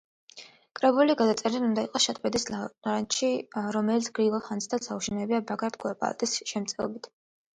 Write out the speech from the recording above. კრებული გადაწერილი უნდა იყოს შატბერდის ლავრაში, რომელიც გრიგოლ ხანძთელს აუშენებია ბაგრატ კურაპალატის შემწეობით.